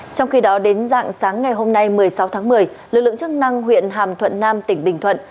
trong khi đó đến dạng sáng ngày hôm nay một mươi sáu tháng một mươi lực lượng chức năng huyện hàm thuận nam tỉnh bình thuận